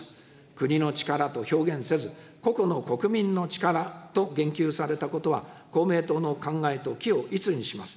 国の力と表現せず、個々の国民の力と言及されたことは、公明党の考えと軌を一にします。